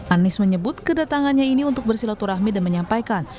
anies menyebut kedatangannya ini untuk bersilaturahmi dan menyampaikan